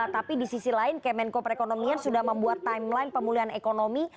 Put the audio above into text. tapi di sisi lain kemenko perekonomian sudah membuat timeline pemulihan ekonomi